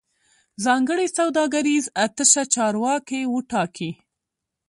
ځانګړی سوداګریز اتشه چارواکي وټاکي